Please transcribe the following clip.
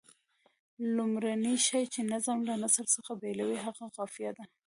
لومړنی شی چې نظم له نثر څخه بېلوي هغه قافیه ده.